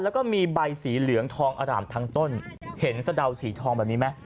แล้วก็มีใบสีเหลืองทองอร่ามทั้งต้นเห็นสะดาวสีทองแบบนี้ไหม